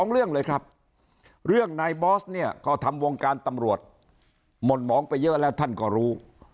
เรื่องเลยครับเรื่องนายบอสเนี่ยก็ทำวงการตำรวจหม่นหมองไปเยอะแล้วท่านก็รู้